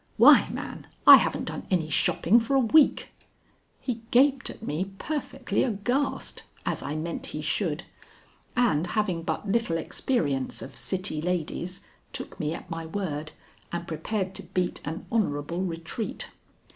Why, man, I haven't done any shopping for a week." He gaped at me perfectly aghast (as I meant he should), and, having but little experience of city ladies, took me at my word and prepared to beat an honorable retreat.